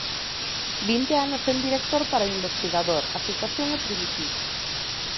Vinte anos sen director Para o investigador, a situación é primitiva.